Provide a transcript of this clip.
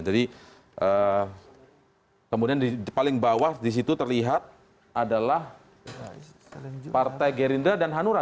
jadi kemudian paling bawah disitu terlihat adalah partai gerindra dan hanura